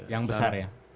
yang besar ya